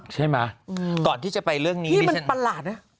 ใช่ไหมก่อนที่จะไปเรื่องนี้นี่มันประหลาดนะ